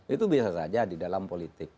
itu bisa saja di dalam politik